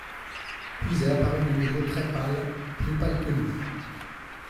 Puis elle apparut de nouveau très pâle, plus pâle que lui.